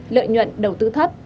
lợi nhuận đầu tư thấp